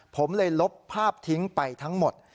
ผมเลยลบภาพทิ้งไปทั้งหมด